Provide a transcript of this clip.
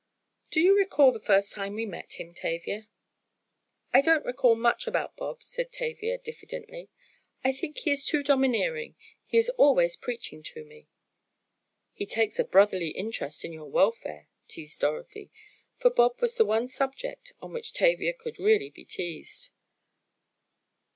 "Do you recall the first time we met him, Tavia?" "I don't recall much about Bob," said Tavia, diffidently, "I think he is too domineering. He is always preaching to me!" "He takes a brotherly interest in your welfare," teased Dorothy, for Bob was the one subject on which Tavia could really be teased.